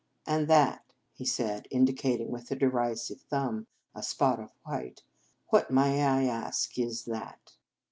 " And that," he said, indicating with a derisive thumb a spot of white, " what, may I ask, is that?"